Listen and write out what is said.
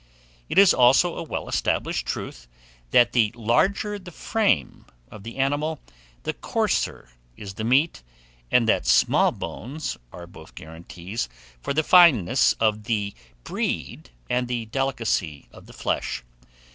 It is also a well established truth, that the larger the frame of the animal, the coarser is the meat, and that small bones are both guarantees for the fineness of the breed and the delicacy of the flesh.